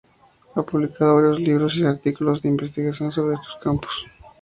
Ha publicado varios libros y artículos de investigación sobre estos campos.